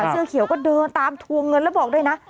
เสื้อเขียวก็เดินตามทวงเงินแล้วบอกด้วยนะ